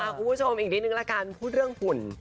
คุณผู้ชมอีกนิดนึงละกันพูดเรื่องหุ่น